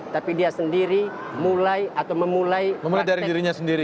tapi dia sendiri memulai praktek itu harus mulai dari dirinya sendiri